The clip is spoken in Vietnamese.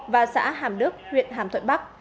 và xã hàm đức huyện hàm thuận bắc